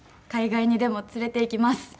海外にでも連れていきます。